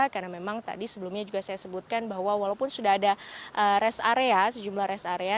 karena memang tadi sebelumnya juga saya sebutkan bahwa walaupun sudah ada rest area sejumlah rest area